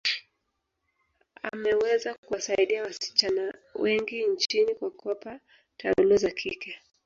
ameweza kuwasaidia wasichana wengi nchini kwa kuwapa taulo za kike